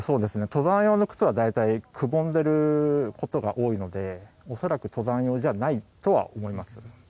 登山用の靴はくぼんでることが多いので恐らく登山用じゃないとは思います。